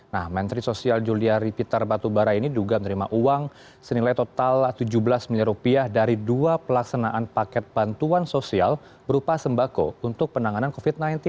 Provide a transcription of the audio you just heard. nah menteri sosial juliari pitar batubara ini duga menerima uang senilai total tujuh belas miliar rupiah dari dua pelaksanaan paket bantuan sosial berupa sembako untuk penanganan covid sembilan belas